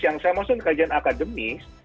yang saya maksud kajian akademis